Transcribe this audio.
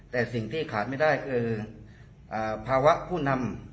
แต่สิ่งที่ขาดไม่ได้คือภาวะผู้นำ